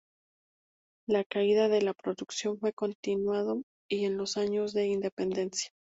El caída de la producción fue continuado y en los años de independencia.